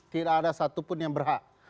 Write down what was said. tidak ada satupun yang berhak